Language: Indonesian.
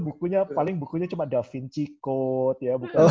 bukunya paling bukunya cuma da vinci code